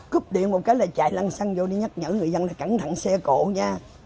cúp điện một cái là chạy lăng xăng vô đi nhắc nhở người dân là cẩn thận xe cộ nha